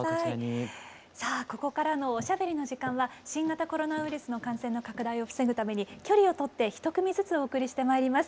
さあここからのおしゃべりの時間は新型コロナウイルスの感染の拡大を防ぐために距離を取って１組ずつお送りしてまいります。